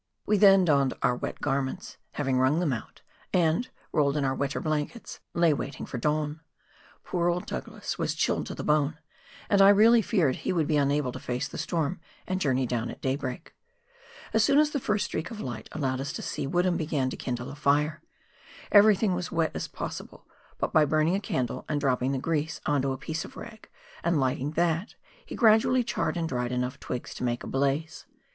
We then donned our wet garments, having wrung them out, and, rolled in our wetter blankets, lay waiting for dawn. Poor old Douglas was chilled to the bone, and I really feared he would be unable to face the storm and journey down at daybreak. As soon as the first streak of light allowed us to see, Woodham began to kindle a fire. Everything was wet as possible, but by burning a candle and dropping the grease on to a piece of rag, and lighting that, he gradually charred and dried enough twigs to make a blaze.